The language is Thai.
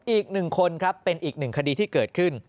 อีกหนึ่งคนครับเป็นอีกหนึ่งคดีที่เกิดขึ้น